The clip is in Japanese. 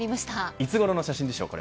いつごろの写真ですか。